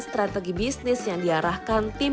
strategi bisnis yang diarahkan tim